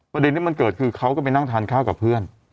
ประเด็นที่มันเกิดคือเขาก็ไปนั่งทานข้าวกับเพื่อน